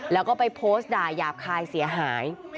แล้วก็ไปโพสต์ด่ายาบคายเสียหาย